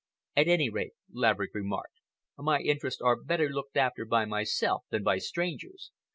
"At any rate," Laverick remarked, "my interests are better looked after by myself than by strangers.